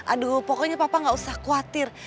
aduh pokoknya papa gak usah khawatir